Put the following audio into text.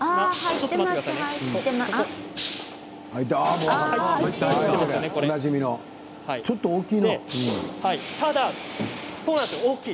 おなじみのちょっと大きい。